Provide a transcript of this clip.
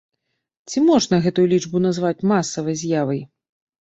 Ці можна гэтую лічбу назваць масавай з'явай?